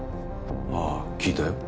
ああ聞いたよ。